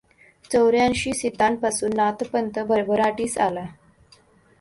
चौऱ्यांयशी सिद्धांपासून नाथपंथ भरभराटीस आला.